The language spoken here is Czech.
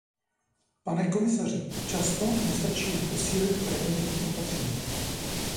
Pane komisaři, často nestačí jen posílit preventivní opatření.